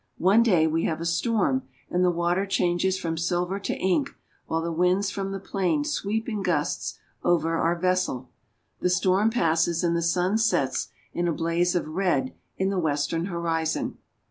One day we have a storm and the water changes from silver to ink, while the winds from the plain sweep in gusts over our vessel. The storm passes, and the sun sets in a blaze of red in the western horizon.